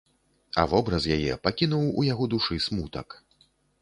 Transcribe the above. А вобраз яе пакінуў у яго душы смутак.